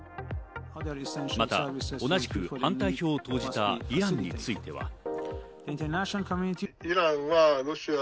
また同じく反対票を投じたイランについては。